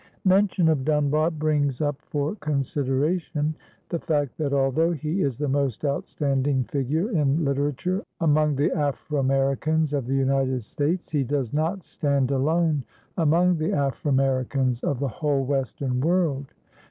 Mention of Dunbar brings up for consideration the fact that, although he is the most outstanding figure in literature among the Aframericans of the United States, he does not stand alone among the Aframericans of the whole Western world.